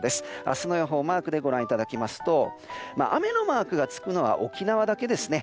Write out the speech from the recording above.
明日の予報マークでご覧いただきますと雨のマークがつくのは沖縄だけですね。